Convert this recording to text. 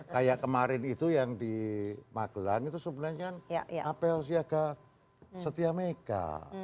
kayak kemarin itu yang di magelang itu sebenarnya kan apel siaga setia mega